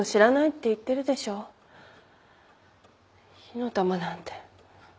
火の玉なんて。